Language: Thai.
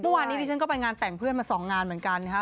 เมื่อวานนี้ดิฉันก็ไปงานแต่งเพื่อนมา๒งานเหมือนกันนะฮะ